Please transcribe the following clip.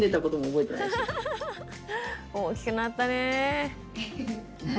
大きくなったね。